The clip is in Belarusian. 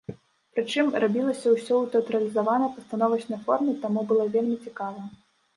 Прычым, рабілася ўсё ў тэатралізавана-пастановачнай форме, таму было вельмі цікава.